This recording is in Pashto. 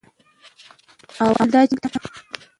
اول دا چې موږ ته